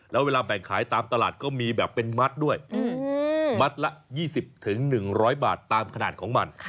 แล้วเวลาแบ่งขายตามตลาดก็มีแบบเป็นมัดด้วยมัดละ๒๐๑๐๐บาทตามขนาดของมัน